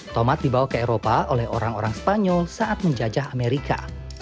tomat dibawa ke eropa oleh orang orang spanyol saat menjajah amerika